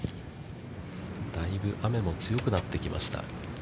だいぶ雨も強くなってきました。